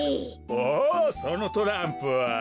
おおそのトランプは。